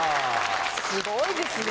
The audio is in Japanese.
すごいですね！